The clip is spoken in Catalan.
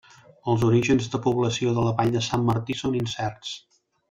Els orígens de població de la vall de Sant Martí són incerts.